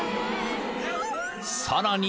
［さらに］